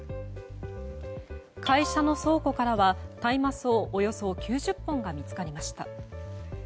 会社の倉庫からは、大麻草およそ９０本が見つかりました。